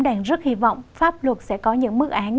đang rất hy vọng pháp luật sẽ có những mức án